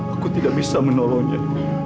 aku tidak bisa menolongnya